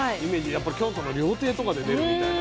やっぱり京都の料亭とかで出るみたいな。